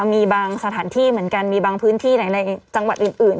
มีบางสถานที่เหมือนกันมีบางพื้นที่ไหนในจังหวัดอื่น